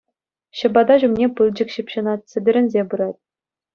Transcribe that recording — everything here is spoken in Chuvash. Ҫӑпата ҫумне пылчӑк ҫыпҫӑнать, сӗтӗрӗнсе пырать.